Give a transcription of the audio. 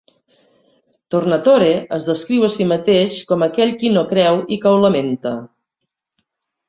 Tornatore es descriu a si mateix com "aquell qui no creu i que ho lamenta".